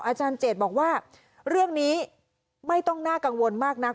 อาจารย์เจดบอกว่าเรื่องนี้ไม่ต้องน่ากังวลมากนัก